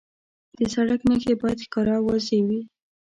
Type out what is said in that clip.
د سړک نښې باید ښکاره او واضح وي.